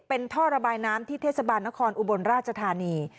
เป็นท่อระบายน้ำที่เทศบาลนครอุบลราชธานี